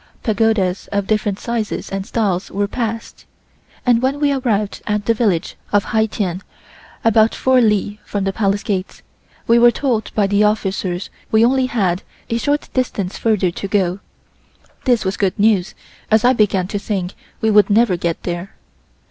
Pagodas of different sizes and styles were passed, and when we arrived at the village of Hai Tien, about four li from the Palace gates, we were told by the officers we only had a short distance further to go. This was good news, as I began to think we would never get there.